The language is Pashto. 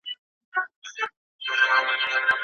تروريستان